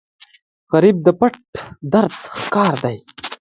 غریب د پټ درد ښکار دی